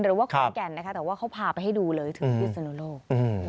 หรือว่าเขาไม่แก่นนะคะแต่ว่าเขาพาไปให้ดูเลยถึงยุทธ์สนุนโลก